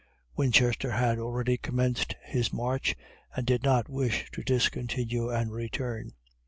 Winchester had already commenced his march, and did not wish to discontinue and return.